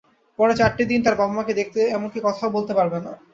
পরের চারটি দিন তার বাবা-মাকে দেখতে, এমনকি কথাও বলতে পারবে না।